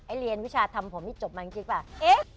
ไอ้เรียนวิชาธรรมผมนี่จบมาจริงหรือเปล่า